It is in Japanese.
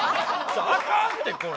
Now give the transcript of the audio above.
アカンってこれ。